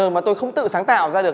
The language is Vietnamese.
mà tôi không tự sáng tạo ra được